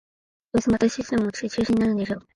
どうせまたシステム落ちて中止になるんでしょ